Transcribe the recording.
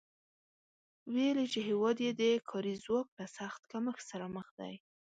ویلي چې هېواد یې د کاري ځواک له سخت کمښت سره مخ دی